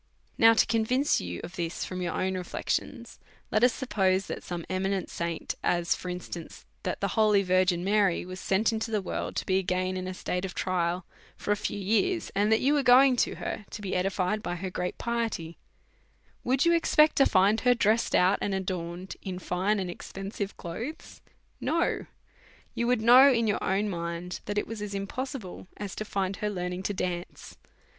Now to convince you of this from your own reflections, let us suppose that some eminent saint, as for instance, that the holy Virgin Mary was sent into the world to be again in a state of trial for a few years, and that you was going to her to be edified by her great piety, would you expect to find her dressed out and adorned in fine and expensive clothes? No ; you would know in your own mind that it was as impossible as to find her learning to dance.